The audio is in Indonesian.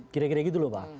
kira kira gitu loh pak